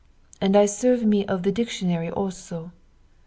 And I serve me of the dictionary also.